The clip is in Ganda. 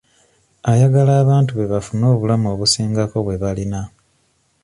Ayagala abantu be bafune obulamu obusingako bwe balina.